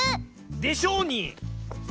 でしょうに！